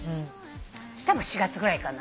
したら４月ぐらいかな？